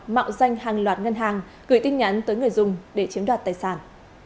họ dành hàng loạt ngân hàng gửi tin nhắn tới người dùng để chiếm đoạt tài sản